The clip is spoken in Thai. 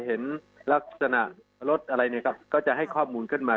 เห็นลักษณะลดอะไรก็จะให้ข้อมูลขึ้นมา